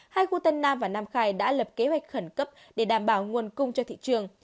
hai khu tân nam và nam khai đã lập kế hoạch khẩn cấp để đảm bảo nguồn cung cho thị trường